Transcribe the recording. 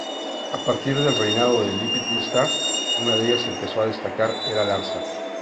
A partir del reinado de Lipit-Ishtar, una de ellas empezó a destacar: era Larsa.